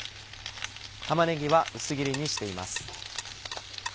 玉ねぎは薄切りにしています。